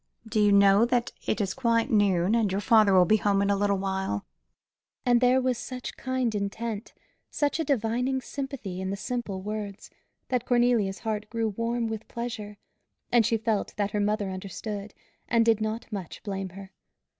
Do you know that it is quite noon, and your father will be home in a little while?" And there was such kind intent, such a divining sympathy in the simple words, that Cornelia's heart grew warm with pleasure; and she felt that her mother understood, and did not much blame her.